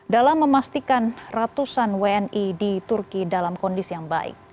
dalam memastikan ratusan wni di turki dalam kondisi yang baik